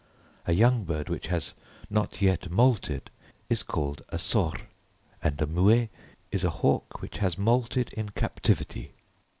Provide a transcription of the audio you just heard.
A young bird which has not yet moulted is called a sors, and a mué is a hawk which has moulted in captivity.